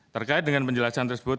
terkait dengan penjelasan tersebut